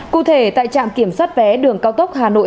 cụ thể tại trạm kiểm soát vé đường cao tốc hà nội